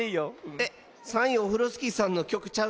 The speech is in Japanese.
えっ？